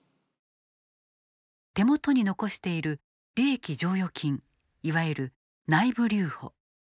手元に残している利益剰余金いわゆる内部留保。